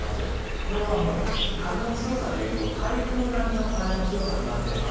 これは風の強さでいうと台風並みの風の強さとなっています。